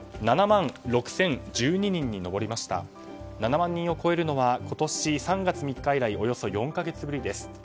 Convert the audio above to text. ７万人を超えるのは今年３月３日以来およそ４か月ぶりです。